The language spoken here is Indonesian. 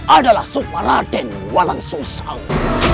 adalah suparaden walang susang